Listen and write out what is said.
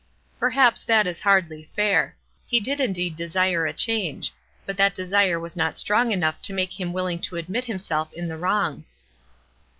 Perhaps that is hardly fair. He did de sire a change ; but that desire was not strong enough to make him willing to admit himself in the wrong.